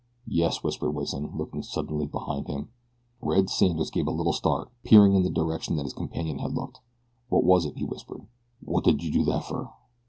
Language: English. "Yes," whispered Wison, looking suddenly behind him. Red Sanders gave a little start, peering in the direction that his companion had looked. "Wot was it?" he whimpered. "Wot did you do that fer?"